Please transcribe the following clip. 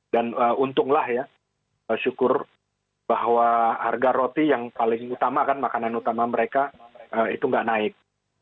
dan untunglah ya syukur bahwa harga roti yang paling utama kan makanan utama mereka itu nggak naik